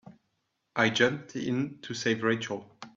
I jumped in to save Rachel.